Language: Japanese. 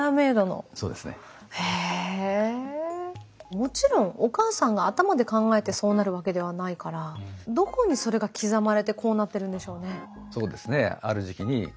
もちろんお母さんが頭で考えてそうなるわけではないからどこにそれが刻まれてこうなってるんでしょうね？